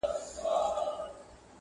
ما سوري كړي د ډبرو دېوالونه٫